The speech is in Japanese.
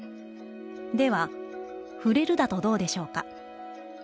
では、『ふれる』だとどうでしょうか」。